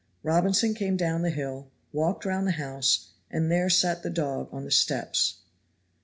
Robinson came down the hill, walked round the house, and there sat the dog on the steps.